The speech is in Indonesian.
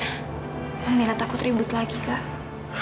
emang mila takut ribut lagi kak